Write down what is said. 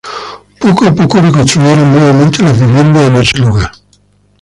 Poco a poco reconstruyeron nuevamente las viviendas en ese lugar.